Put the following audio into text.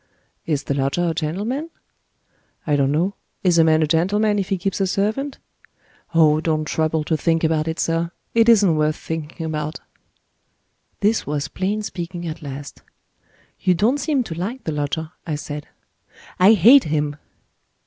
"Is the lodger a gentleman?" "I don't know. Is a man a gentleman, if he keeps a servant? Oh, don't trouble to think about it, sir! It isn't worth thinking about." This was plain speaking at last. "You don't seem to like the lodger," I said. "I hate him!"